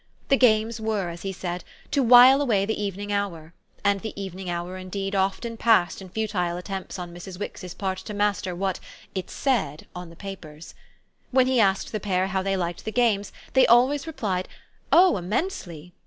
The games were, as he said, to while away the evening hour; and the evening hour indeed often passed in futile attempts on Mrs. Wix's part to master what "it said" on the papers. When he asked the pair how they liked the games they always replied "Oh immensely!"